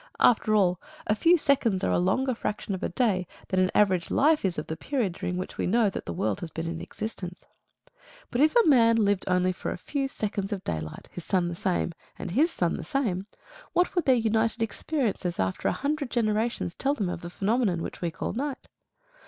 After all, a few seconds are a longer fraction of a day than an average life is of the period during which we know that the world has been in existence. But if a man lived only for a few seconds of daylight, his son the same, and his son the same, what would their united experiences after a hundred generations tell them of the phenomenon which we call night?